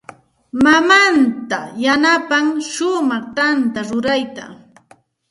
Mamaaninta yanapan shumaq tantakuna rurayta.